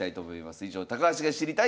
以上「高橋が知りたい